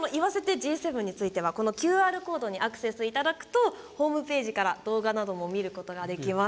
Ｇ７」についてはＱＲコードにアクセスいただくとホームページから動画なども見ることができます。